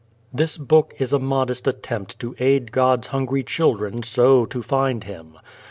This book is a modest attempt to aid God's hungry children so to find Him.